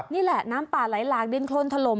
นี่แหละน้ำป่าไหลหลากดินโครนถล่ม